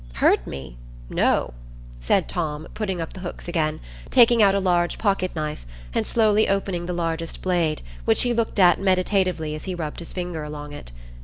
"Hurt me? no," said Tom, putting up the hooks again, taking out a large pocket knife, and slowly opening the largest blade, which he looked at meditatively as he rubbed his finger along it.